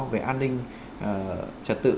về an ninh trật tự